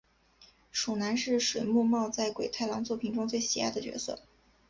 鼠男是水木茂在鬼太郎作品中最喜爱的角色。